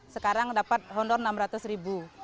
sekarang dapat honor enam ratus ribu